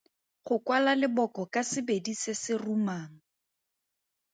Go kwala leboko ka sebedi se se rumang.